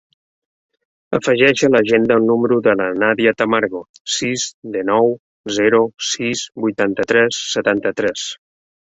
Afegeix a l'agenda el número de la Nàdia Tamargo: sis, dinou, zero, sis, vuitanta-tres, setanta-tres.